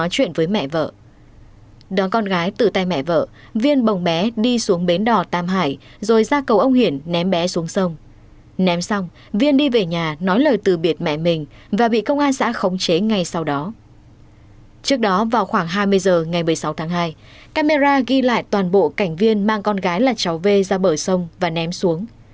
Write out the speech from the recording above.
trước đó vào khoảng hai mươi giờ ngày một mươi sáu tháng hai camera ghi lại toàn bộ cảnh viên mang con gái là cháu v ra bờ sông và ném xuống